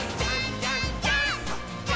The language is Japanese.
ジャンプ！！」